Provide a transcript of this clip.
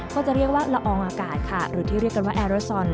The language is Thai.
ก็จะเรียกว่าละอองอากาศค่ะหรือที่เรียกกันว่าแอร์โรซอน